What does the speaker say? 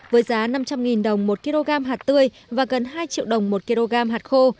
với giá năm trăm linh đồng một kg hạt tươi và gần hai triệu đồng một kg hạt khô